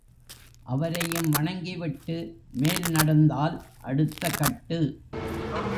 அவரையும் வணங்கி விட்டு மேல் நடந்தால் அடுத்த கட்டு.